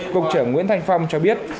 cục trưởng nguyễn thanh phong cho biết